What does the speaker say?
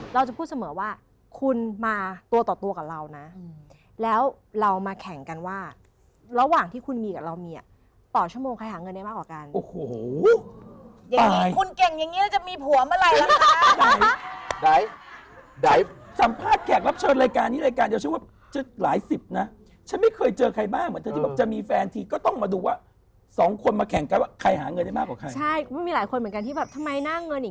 เราจะพูดเสมอว่าคุณมาตัวต่อตัวกับเราน่ะแล้วเรามาแข่งกันว่าระหว่างที่คุณมีกับเรามีอ่ะต่อชั่วโมงใครหาเงินได้มากกว่ากัน